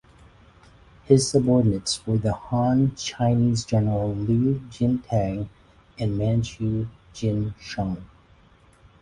His subordinates were the Han Chinese General Liu Jintang and Manchu Jin Shun.